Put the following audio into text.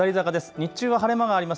日中は晴れ間があります。